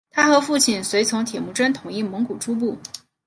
他和父亲随从铁木真统一蒙古诸部。